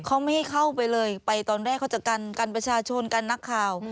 เขาไม่ให้เข้าไปเลยไปตอนแรกเขาจะกันกันประชาชนกันนักข่าว